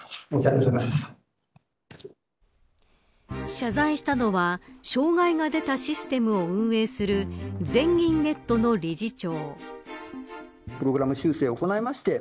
謝罪したのは障害がデータシステムを運営する全銀ネットの理事長。